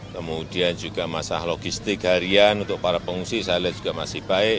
kemudian juga masalah logistik harian untuk para pengungsi saya lihat juga masih baik